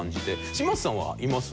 嶋佐さんはいます？